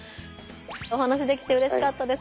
お話しできてうれしかったです。